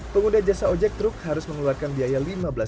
pengguna jasa ojek truk harus mengeluarkan biaya lima belas ribu rupiah